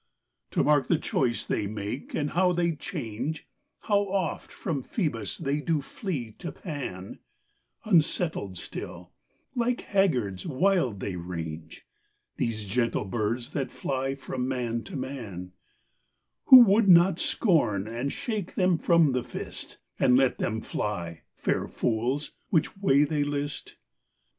To mark the choice they make, and how they change, How oft from Phoebus they do flee to Pan; Unsettled still, like haggards wild they range, These gentle birds that fly from man to man; Who would not scorn and shake them from the fist, And let them fly, fair fools, which way they list?